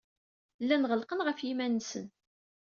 Llan ɣellqen ɣef yiman-nsen.